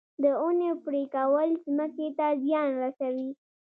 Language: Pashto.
د ونو پرې کول ځمکې ته زیان رسوي